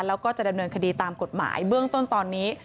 แล้วก็จะดำเนินคดีตามกฎหมายเบื้องต้นตอนนี้